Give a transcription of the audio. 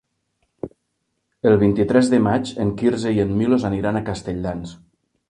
El vint-i-tres de maig en Quirze i en Milos aniran a Castelldans.